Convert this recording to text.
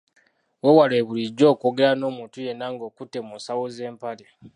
Weewale bulijjo okwogera n’omuntu yenna nga okutte mu nsawo z’empale.